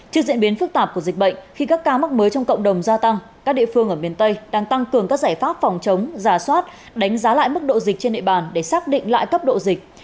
trước diễn biến phức tạp của dịch bệnh khi các ca mắc mới trong cộng đồng gia tăng các địa phương ở miền tây đang tăng cường các giải pháp phòng chống giả soát đánh giá lại mức độ dịch trên địa bàn để xác định lại cấp độ dịch